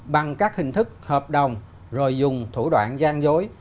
bằng các hình thức hợp đồng rồi dùng thủ đoạn gian dối